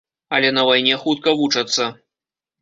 Але на вайне хутка вучацца.